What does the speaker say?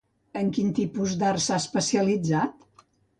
En quin tipus d'art s'ha especialitzat?